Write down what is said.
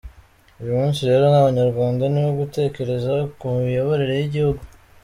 Uyu munsi rero nk’abanyarwanda ni uwo gutekereza ku miyoborere y’igihugu